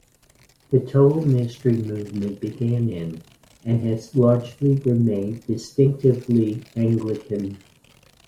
The total ministry movement began in and has largely remained distinctively Anglican.